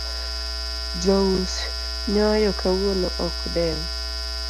Jo us nyoyo kawuono ok dew.